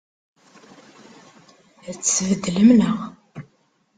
Ad tt-tbeddlem, naɣ?